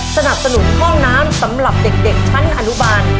สนับสนุนห้องน้ำสำหรับเด็กชั้นอนุบาล